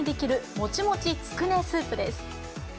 もちもちつくねスープです。